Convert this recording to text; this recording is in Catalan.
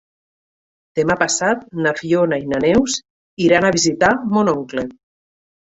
Demà passat na Fiona i na Neus iran a visitar mon oncle.